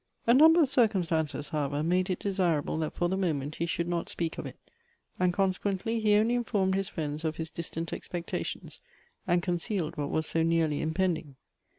A number of circum stances, however, made it desirable that for the moment he should not speak of it, and consequently he only informed his friends of his distant expectations, and concealed what was so nearly impending.